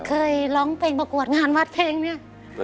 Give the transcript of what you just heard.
เคยร้องเพลงประกวดงานวัดเพลงเนี่ย